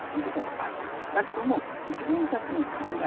だけども自分たちの考え